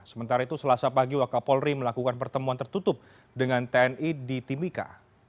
sementara itu selasa pagi wakapolri melakukan pertemuan tertutup dengan tni di timika